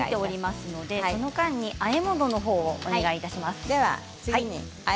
その間にあえ物のほうをお願いします。